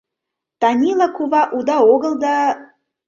Танила кува уда огыл да...